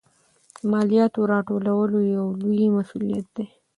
د مالیاتو راټولول یو لوی مسوولیت دی.